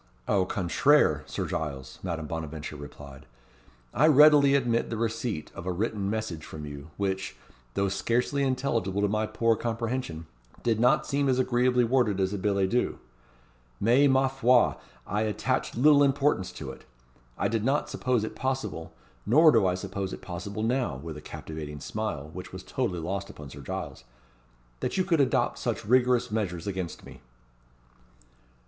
"Au contraire, Sir Giles," Madame Bonaventure replied. "I readily admit the receipt of a written message from you, which, though scarcely intelligible to my poor comprehension, did not seem as agreeably worded as a billet doux. Mais, ma foi! I attached little importance to it. I did not suppose it possible nor do I suppose it possible now" with a captivating smile, which was totally lost upon Sir Giles "that you could adopt such rigorous measures against me."